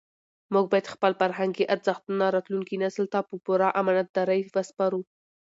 موږ باید خپل فرهنګي ارزښتونه راتلونکي نسل ته په پوره امانتدارۍ وسپارو.